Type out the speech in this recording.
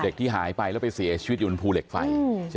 ที่หายไปแล้วไปเสียชีวิตอยู่บนภูเหล็กไฟ